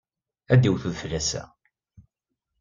Ad d-iwet udfel ass-a.